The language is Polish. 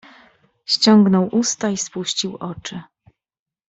"Ściągnął usta i spuścił oczy."